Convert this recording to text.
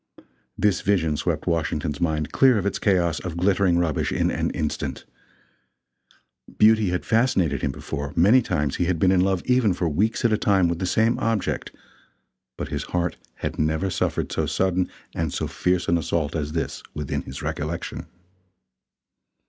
This vision swept Washington's mind clear of its chaos of glittering rubbish in an instant. Beauty had fascinated him before; many times he had been in love even for weeks at a time with the same object but his heart had never suffered so sudden and so fierce an assault as this, within his recollection.